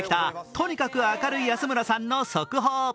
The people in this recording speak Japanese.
とにかく明るい安村さんの速報。